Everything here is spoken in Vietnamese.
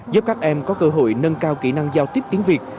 giúp các em có cơ hội nâng cao kỹ năng giao tiếp tiếng việt